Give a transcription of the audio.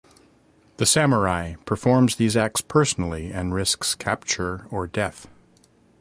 The samurai performs these acts personally and risks capture or death.